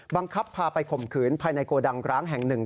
บังคับพาไปข่มขืนภายในโกดังร้างแห่งหนึ่ง